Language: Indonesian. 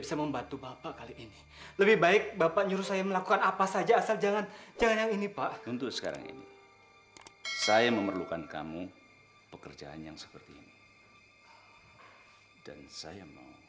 sampai jumpa di video selanjutnya